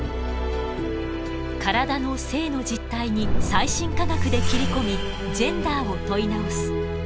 体の性の実態に最新科学で切り込みジェンダーを問い直す。